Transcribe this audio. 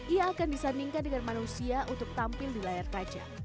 ia akan disandingkan dengan manusia untuk tampil di layar kaca